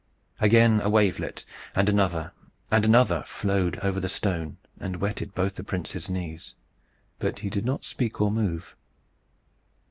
Again a wavelet, and another, and another flowed over the stone, and wetted both the prince's knees; but he did not speak or move.